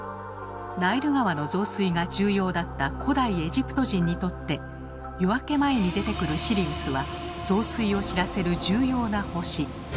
ナイル川の増水が重要だった古代エジプト人にとって夜明け前に出てくるシリウスは増水を知らせる重要な星。